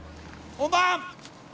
・本番！